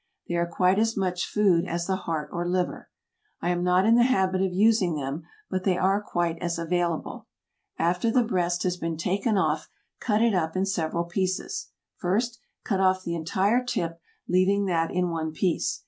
They are quite as much food as the heart or liver. I am not in the habit of using them, but they are quite as available. After the breast has been taken off, cut it up in several pieces. First, cut off the entire tip, leaving that in one piece.